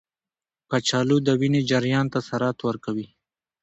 کچالو د وینې جریان ته سرعت ورکوي.